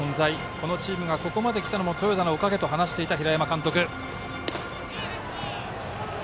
このチームがここまで来たのも豊田のおかげと話していた平山監督。